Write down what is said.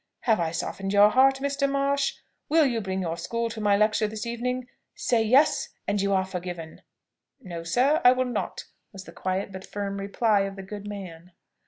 Have I softened your hard heart, Mr. Marsh? Will you bring your school to my lecture this evening? Say 'Yes!' and you are forgiven." "No, sir, I will not!" was the quiet but firm reply of the good man.